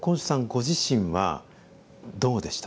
ご自身はどうでしたか？